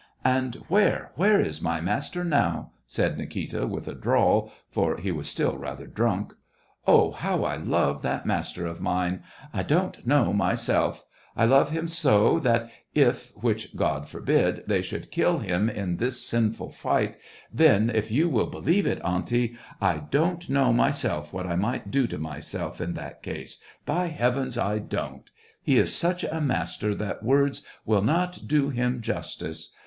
" And where, where is my master now !" said Nikita, with a drawl, for he was still rather drunk. •* Oh, how I love that master of mine !— I don't know myself !— I love him so that if, which God forbid, they should kill him in this sinful fight, then, if you will believe it, aunty, I don't know myself what I might do to myself in that case — by Heavens, I don't! He is such a master that words will not do him justice